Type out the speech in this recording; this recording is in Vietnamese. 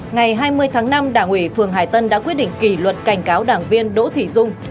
ngày hai mươi tháng năm đảng ủy phường hải tân đã quyết định kỷ luật cảnh cáo đảng viên đỗ thị dung